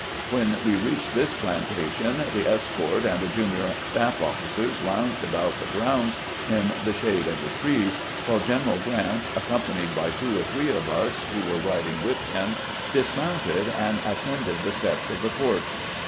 When we reached this plantation, the escort and the junior staff officers lounged about the grounds in the shade of the trees, while General Grant, accompanied by two or three of us who were riding with him, dismounted, and ascended the steps of the porch.